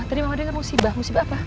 tadi mama dengar musibah musibah apa